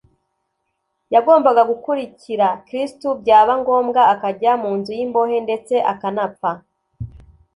Yagombaga gukurikira Kristo byaba ngombwa akajya mu nzu y’imbohe ndetse akanapfa.